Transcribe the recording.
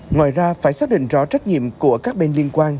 ngoài ra phải xác định rõ trách nhiệm của các bên liên quan